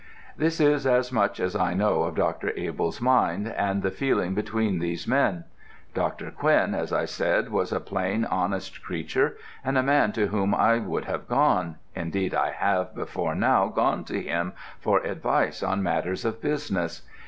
"This is as much as I know of Dr. Abell's mind, and the feeling between these men. Dr. Quinn, as I said, was a plain, honest creature, and a man to whom I would have gone indeed I have before now gone to him for advice on matters of business.